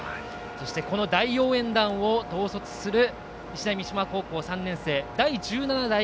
この大応援団を統率する日大三島高校３年生第１７代